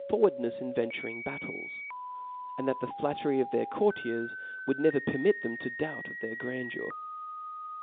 forwardnefs in venturing battles ; and that the flat^ tery of their courtiers would never permit tfactn ta doubt of their grandeur.